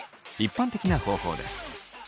一般的な方法です。